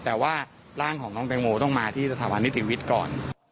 แต่ว่าร่างของน้องแตงโมต้องมาที่สถาบันนิติวิทย์ก่อน